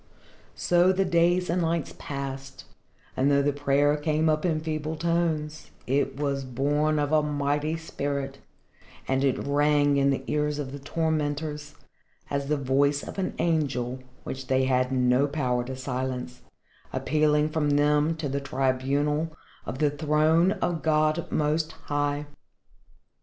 So the days and the nights passed, and though the prayer came up in feeble tones, it was born of a mighty spirit and it rang in the ears of the tormentors as the voice of an angel which they had no power to silence, appealing from them to the tribunal of the Throne of God Most High.